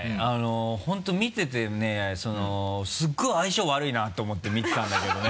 本当見ててねすごい相性悪いなと思って見てたんだけどね。